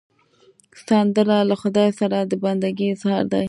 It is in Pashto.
سندره له خدای سره د بندګي اظهار دی